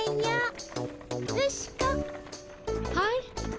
はい。